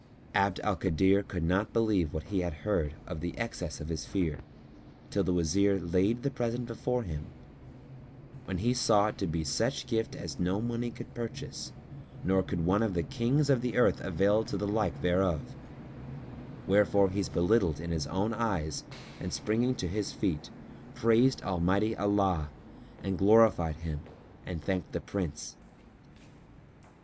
Abd al Kadir could not believe what he heard of the excess of his fear, till the Wazir laid the present before him, when he saw it to be such gift as no money could purchase nor could one of the Kings of the earth avail to the like thereof; wherefore he was belittled in his own eyes and springing to his feet, praised Almighty Allah and glorified Him and thanked the Prince.